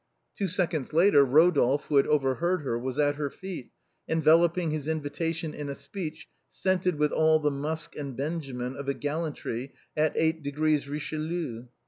Two seconds later Eodolphe, who had overheard her, was at her feet, enveloping his invitation in a speech, scented with all the musk and benjamin of a gallantry at eighty degrees Richelieu.